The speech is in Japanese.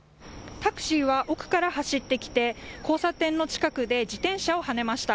タクシーは奥から走ってきて交差点の近くで自転車をはねました。